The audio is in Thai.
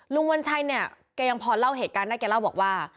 วัญชัยเนี่ยแกยังพอเล่าเหตุการณ์ได้แกเล่าบอกว่า